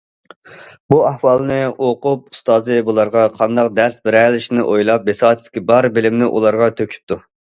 بۇ ئەھۋالنى ئۇقۇپ، ئۇستازى بۇلارغا قانداق دەرس بېرەلىشىنى ئويلاپ، بىساتىدىكى بار بىلىمنى ئۇلارغا تۆكۈپتۇ.